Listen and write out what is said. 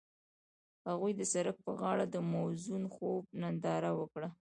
هغوی د سړک پر غاړه د موزون خوب ننداره وکړه.